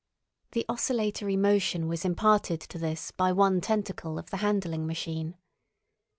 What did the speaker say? The oscillatory motion was imparted to this by one tentacle of the handling machine.